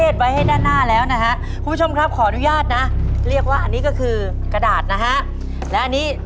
ส่วนอันนี้